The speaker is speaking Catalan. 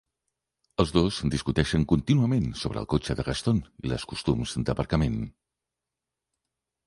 Els dos discuteixen contínuament sobre el cotxe de Gaston i les costums d'aparcament.